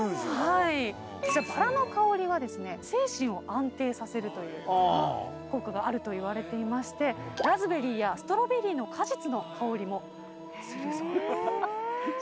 バラの香りは精神を安定させるという効果があるといわれラズベリーやストロベリーの果実の香りもするそうです。